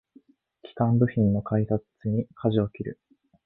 基幹部品の開発にかじを切る